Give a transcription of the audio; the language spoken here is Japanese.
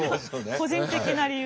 個人的な理由で。